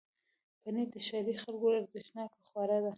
پنېر د ښاري خلکو ارزښتناکه خواړه دي.